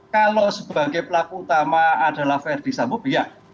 kalau sebagai pelaku utama adalah verdi sambo biak